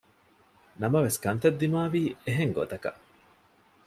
ނަމަވެސް ކަންތައް ދިމާވީ އެހެންގޮތަކަށް